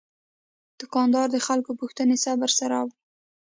دوکاندار د خلکو پوښتنې صبر سره اوري.